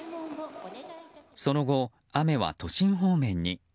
その後、雨は都心方面に。